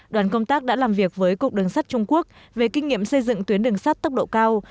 đoàn công tác đã làm việc với cục đường sắt trung quốc về kinh nghiệm xây dựng tuyến đường sắt tốc độ cao